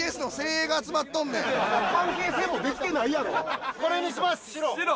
まだ関係性もできてないやろこれにします白！